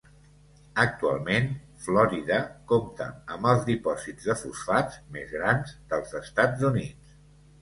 Actualment Florida compta amb els dipòsits de fosfats més grans dels Estats Units.